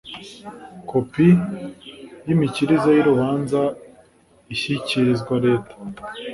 Kopi y imikirize y urubanza ishyikirizwa leta